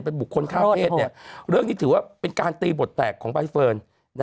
เป็นบุคคลข้ามเพศเรื่องนี้ถือว่าเป็นการตีบทแตกของใบเฟิร์น